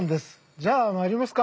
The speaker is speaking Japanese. じゃあ参りますか。